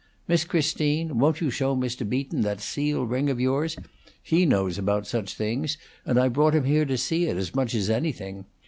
Miss Christine, won't you show Mr. Beaton that seal ring of yours? He knows about such things, and I brought him here to see it as much as anything.